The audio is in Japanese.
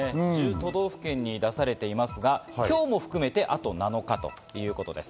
都道府県に出されていますが、今日も含めてあと７日ということです。